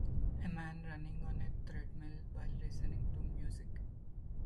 A man running on a treadmill while listening to music